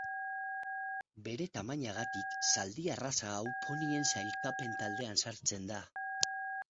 Bere tamainagatik zaldi arraza hau ponien sailkapen taldean sartzen da.